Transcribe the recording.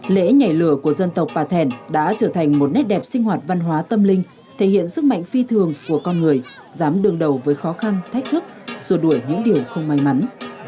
lễ nhảy lửa của dân tộc bà thẻn đã trở thành một nét đẹp sinh hoạt văn hóa tâm linh thể hiện sức mạnh phi thường của con người dám đương đầu với khó khăn thách thức rùa đuổi những điều không may mắn